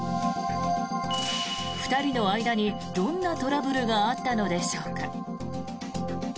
２人の間にどんなトラブルがあったのでしょうか。